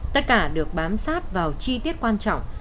tất cả được bám sát vào chi tiết quan trọng